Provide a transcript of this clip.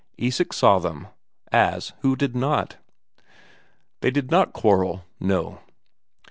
Isak saw them as who did not! They did not quarrel, no.